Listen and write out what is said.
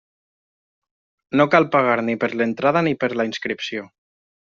No cal pagar ni per l'entrada ni per la inscripció.